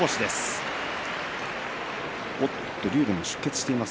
竜電も出血しています。